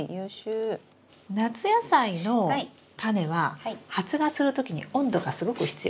夏野菜のタネは発芽するときに温度がすごく必要です。